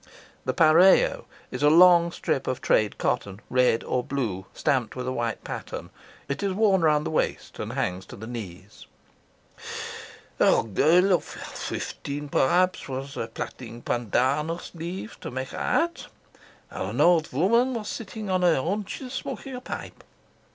The is a long strip of trade cotton, red or blue, stamped with a white pattern. It is worn round the waist and hangs to the knees. "A girl of fifteen, perhaps, was plaiting pandanus leaf to make a hat, and an old woman was sitting on her haunches smoking a pipe.